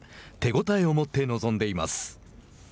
手応えを持って臨んでいます。